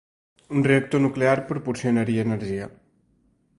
Un reactor nuclear proporcionaria energia.